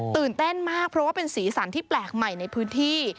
เต้นมากเพราะว่าเป็นสีสันที่แปลกใหม่ในพื้นที่